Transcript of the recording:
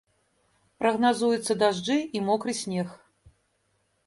Прагназуюцца дажджы і мокры снег.